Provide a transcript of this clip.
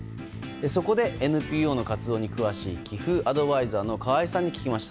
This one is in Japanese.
そこで、ＮＰＯの活動に詳しい寄付アドバイザーの河合さんに聞きました。